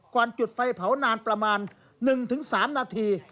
จุดไฟเผานานประมาณ๑๓นาที